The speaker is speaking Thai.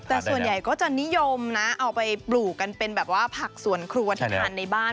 แต่ส่วนใหญ่ก็จะนิยมนะเอาไปปลูกกันเป็นแบบว่าผักสวนครัวที่ทานในบ้าน